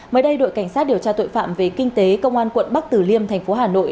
mới đây đội cảnh sát điều tra tội phạm về kinh tế công an quận bắc tử liêm thành phố hà nội